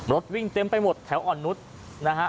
รถวิ่งเต็มไปหมดแถวอ่อนนุษย์นะฮะ